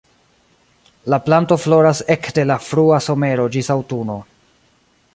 La planto floras ekde la frua somero ĝis aŭtuno.